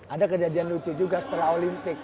ada kejadian lucu juga setelah olimpik